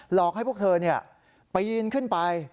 หลอกให้พวกเธอปีนขึ้นไป